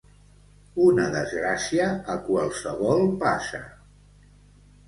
Una desgràcia a qualsevol passa.